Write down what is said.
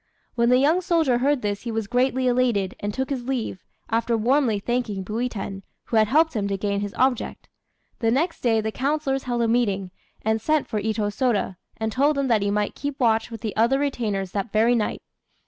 When the young soldier heard this he was greatly elated, and took his leave, after warmly thanking Buiten, who had helped him to gain his object. The next day the councillors held a meeting, and sent for Itô Sôda, and told him that he might keep watch with the other retainers that very night.